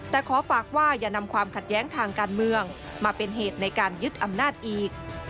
แต่ขอฝากว่าอย่านำความขัดแย้งทางการเมืองมาเป็นเหตุในการยึดอำนาจอีก